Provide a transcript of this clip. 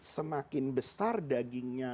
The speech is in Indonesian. semakin besar dagingnya